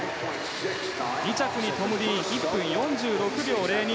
２着にトム・ディーン１分４６秒０２。